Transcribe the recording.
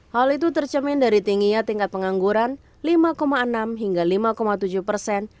hal itu tercemin dari tingginya tingkat pengangguran lima enam hingga lima tujuh persen